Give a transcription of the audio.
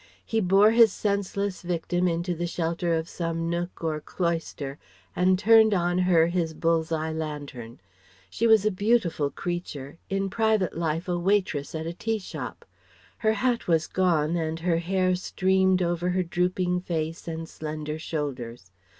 He bore his senseless victim into the shelter of some nook or cloister and turned on her his bull's eye lantern. She was a beautiful creature, in private life a waitress at a tea shop. Her hat was gone and her hair streamed over her drooping face and slender shoulders.